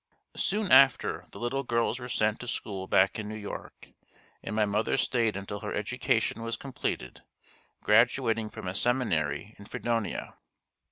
Soon after the little girls were sent to school back in New York and my mother stayed until her education was completed, graduating from a seminary in Fredonia.